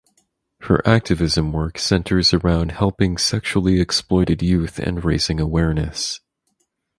Her activism work centres around helping sexually exploited youth and raising awareness.